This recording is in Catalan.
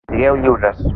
Sigueu lliures!